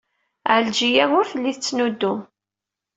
Ɛelǧiya ur telli tettnuddum.